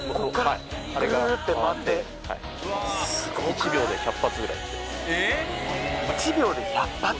１秒で１００発ぐらい撃てます。